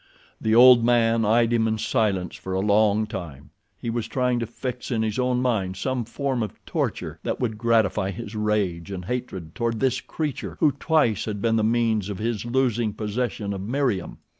The old men eyed him in silence for a long time. He was trying to fix in his own mind some form of torture that would gratify his rage and hatred toward this creature who twice had been the means of his losing possession of Meriem.